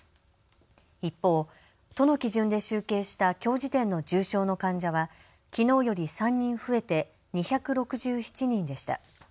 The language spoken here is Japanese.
一方、都の基準で集計したきょう時点の重症の患者はきのうより３人増えて２６７人でした。